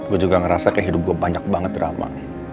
gue juga ngerasa kayak hidup gue banyak banget drama